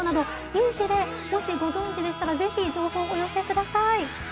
いい事例もしご存じでしたらぜひ情報をお寄せください。